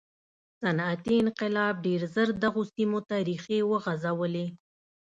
صنعتي انقلاب ډېر ژر دغو سیمو ته ریښې وغځولې.